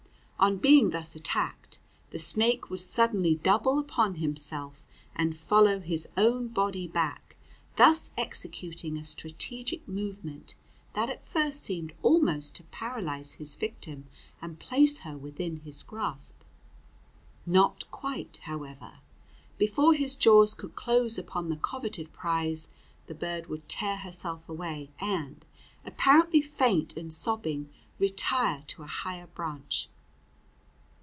On being thus attacked, the snake would suddenly double upon himself and follow his own body back, thus executing a strategic movement that at first seemed almost to paralyze his victim and place her within his grasp. Not quite, however. Before his jaws could close upon the coveted prize the bird would tear herself away, and, apparently faint and sobbing, retire to a higher branch.